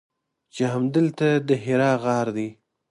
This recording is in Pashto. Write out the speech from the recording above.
چې همدلته د حرا غار دی.